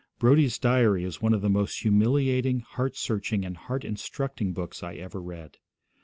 Brodie's diary is one of the most humiliating, heart searching, and heart instructing books I ever read.